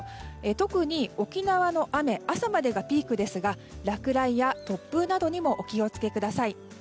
特に沖縄の雨朝までがピークですが落雷や突風などにもお気を付けください。